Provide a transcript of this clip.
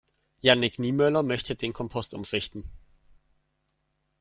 Jannick Niemöller möchte den Kompost umschichten.